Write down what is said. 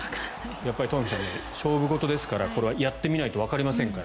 やっぱりトンフィさん勝負事ですからこれはやってみないとわかりませんから。